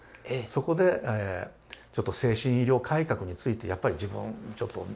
そこでちょっと精神医療改革についてやっぱり自分ちょっとやろうと。